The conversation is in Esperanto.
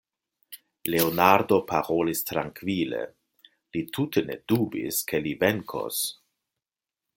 Leonardo parolis trankvile; li tute ne dubis, ke li venkos.